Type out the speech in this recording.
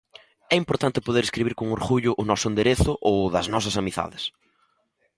É importante poder escribir con orgullo o noso enderezo ou o das nosas amizades.